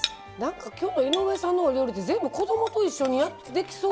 今日の井上さんのお料理って全部子供と一緒にできそう。